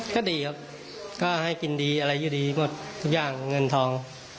ก็ดีครับก็ให้กินดีอะไรอยู่ดีหมดทุกอย่างเงินทอง